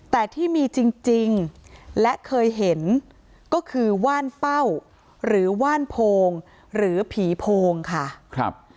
แต่ที่มีจริงและเคยเห็นก็คือว่านเป้าหรือว่านโพงหรือผีโพงค่ะครับ